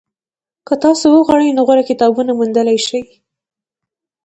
که تاسو وغواړئ نو غوره کتابونه موندلی شئ.